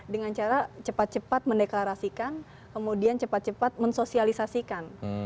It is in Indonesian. dengan cara cepat cepat mendeklarasikan kemudian cepat cepat mensosialisasikan